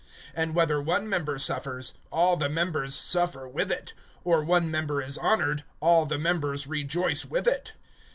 (26)And whether one member suffers, all the members suffer with it; or one member is honored, all the members rejoice with it.